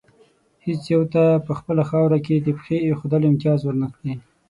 هېڅ یو ته په خپله خاوره کې د پښې ایښودلو امتیاز ور نه کړي.